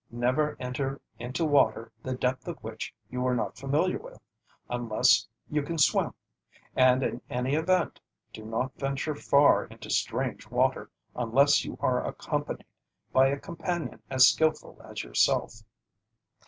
Never enter into water the depth of which you are not familiar with, unless you can swim, and in any event do not venture far into strange water unless you are accompanied by a companion as skillful as yourself.